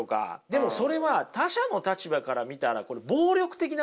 でもそれは他者の立場から見たらこれ暴力的なんですよね。